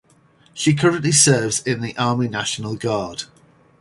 She currently serves in the Army National Guard.